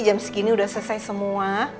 jam segini sudah selesai semua